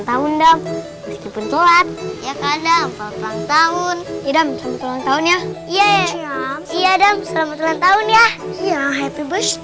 kamu mau maafin kita semua kan cep